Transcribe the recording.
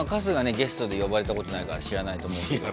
ゲストで呼ばれたことないから知らないと思うけど。